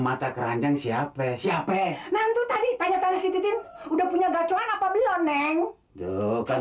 kata keranjang siapa siapa nanti tadi tanya tanya si titin udah punya gacoran apa belum neng kan